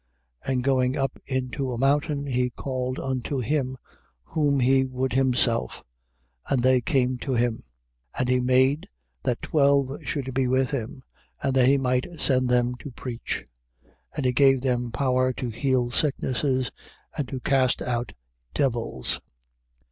3:13. And going up into a mountain, he called unto him whom he would himself: and they came to him. 3:14. And he made that twelve should be with him, and that he might send them to preach. 3:15. And he gave them power to heal sicknesses, and to cast out devils.